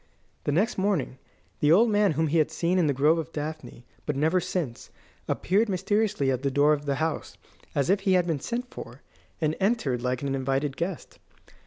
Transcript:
The next morning the old man whom he had seen in the Grove of Daphne, but never since, appeared mysteriously at the door of the house, as if he had been sent for, and entered like an invited guest.